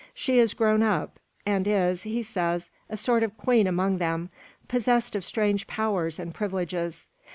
She is grown up, and is, he says, a sort of queen among them, possessed of strange powers and privileges.